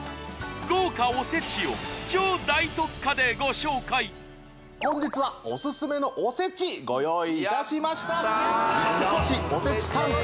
豪華おせちを超大特価でご紹介本日はおすすめのおせちご用意いたしました三越おせち担当